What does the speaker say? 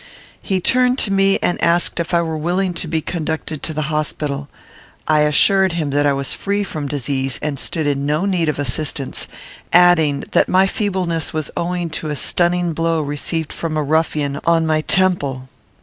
He turned to me, and asked if I were willing to be conducted to the hospital. I assured him that I was free from disease, and stood in no need of assistance; adding, that my feebleness was owing to a stunning blow received from a ruffian on my temple.